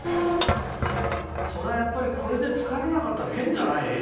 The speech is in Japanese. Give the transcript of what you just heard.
そりゃ、やっぱりこれで疲れなかったら変じゃない？